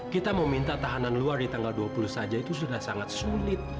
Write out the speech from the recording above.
kita meminta tahanan luar di tanggal dua puluh saja itu sudah sangat sulit